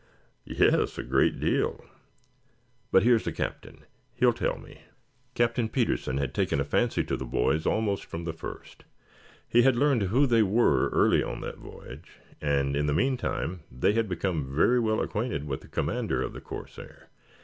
"Yes, a great deal. But here is the Captain. He will tell me." Captain Petersen had taken a fancy to the boys almost from the first. He had learned who they were early on that voyage, and in the meantime they had become very well acquainted with the commander of the "Corsair."